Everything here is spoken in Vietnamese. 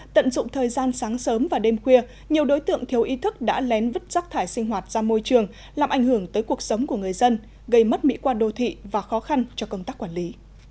tận dụng thời gian sáng sớm và đêm khuya nhiều đối tượng thiếu ý thức đã lén vứt rác thải sinh hoạt ra môi trường làm ảnh hưởng tới cuộc sống của người dân gây mất mỹ quan đô thị và khó khăn cho công tác quản lý